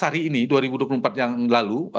hari ini dua ribu dua puluh empat yang lalu